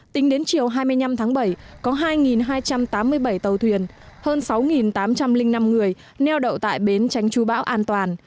tính đến chiều hai mươi năm tháng bảy có hai hai trăm tám mươi bảy tàu thuyền hơn sáu tám trăm linh năm người neo đậu tại bến tránh chú bão an toàn